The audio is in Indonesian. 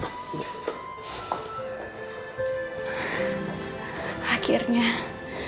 akhirnya intan akan keluar juga dari rumah